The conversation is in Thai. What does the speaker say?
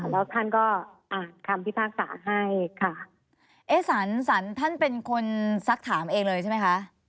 แล้วท่านก็อ่านคำพิพากษาให้ค่ะเอ๊ะสารสารท่านเป็นคนซักถามเองเลยใช่ไหมคะ